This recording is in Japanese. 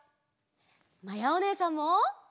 まやおねえさんも！